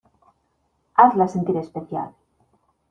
hazla sentir especial